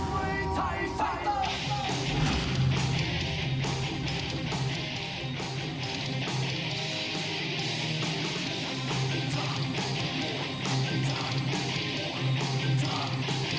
ครั้งแรก๑๐ตัว